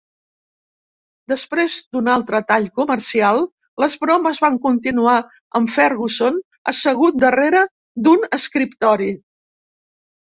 Després d'un altre tall comercial, les bromes van continuar amb Ferguson assegut darrere d'un escriptori.